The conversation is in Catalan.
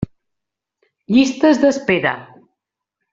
Llistes d'espera.